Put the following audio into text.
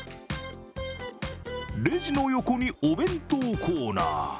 レジの横にお弁当コーナー。